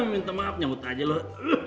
minta maaf nyambut aja loh